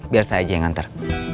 biar saya aja yang ngantar